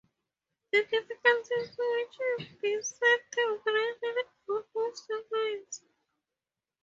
The difficulties which beset the operation are of two kinds.